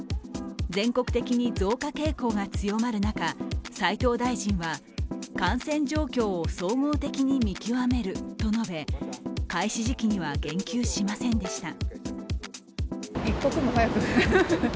全国的に増加傾向が強まる中斉藤大臣は感染状況を総合的に見極めると述べ開始時期には言及しませんでした。